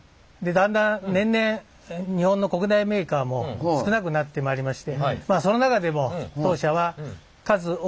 だんだん年々日本の国内メーカーも少なくなってまいりましてまあその中でも当社はなるほど。